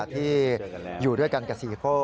ที่อยู่ด้วยกันกับเศียโก่